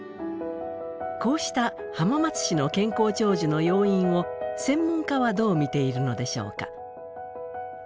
こうした浜松市の健康長寿の要因を専門家はどう見ているのでしょうか。